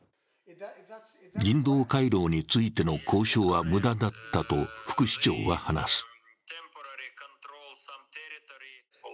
人道回廊についての交渉は無駄だったと副市長は話す。